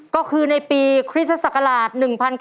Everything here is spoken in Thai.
ก็คือในปีคริสตศักราช๑๙๙